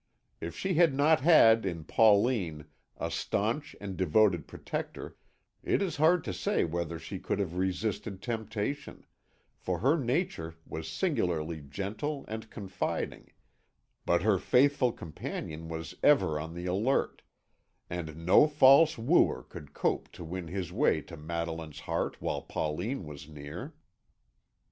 If she had not had in Pauline a staunch and devoted protector, it is hard to say whether she could have resisted temptation, for her nature was singularly gentle and confiding; but her faithful companion was ever on the alert, and no false wooer could hope to win his way to Madeline's heart while Pauline was near.